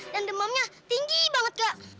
dan demamnya tinggi banget kak